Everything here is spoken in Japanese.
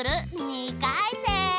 ２かいせん！